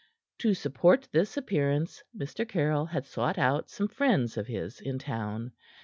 To support this appearance, Mr. Caryll had sought out some friends of his in town.